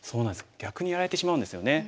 逆にやられてしまうんですよね。